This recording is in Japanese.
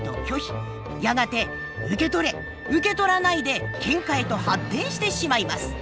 やがて受け取れ受け取らないでケンカへと発展してしまいます。